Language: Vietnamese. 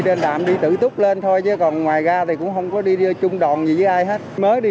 lên đạm đi tử túc lên thôi chứ còn ngoài ra thì cũng không có đi chung đoàn gì với ai hết mới đi